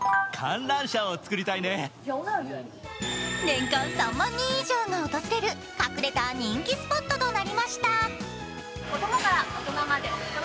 年間３万人以上が訪れる隠れた人気スポットとなりました。